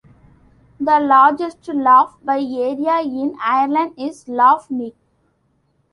The largest lough, by area, in Ireland is Lough Neagh.